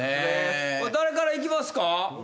誰からいきますか？